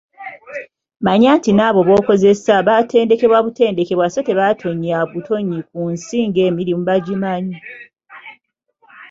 Manya nti n'abo b'okozesa baatendekebwa butendekebwa so tebaatonya butonyi ku nsi ng'emirimu bagimanyi !